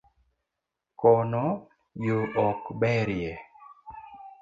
Kono yoo ok berie